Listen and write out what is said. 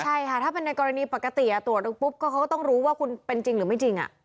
ใช่ค่ะถ้าเป็นในกรณีปกติตรวจดูปุ๊บก็เขาก็ต้องรู้ว่าคุณเป็นจริงหรือไม่จริง